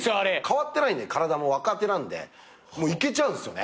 変わってないんで体も若手なんでいけちゃうんです。